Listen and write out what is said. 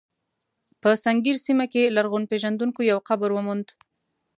په سنګیر سیمه کې لرغونپېژندونکو یو قبر وموند.